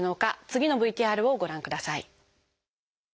次のＶＴＲをご覧ください。